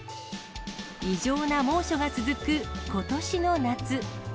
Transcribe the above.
異常な猛暑が続くことしの夏。